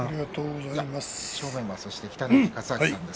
正面は北の富士勝昭さんです。